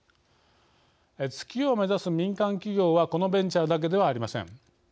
月を目指す民間企業はこのベンチャーだけではありません。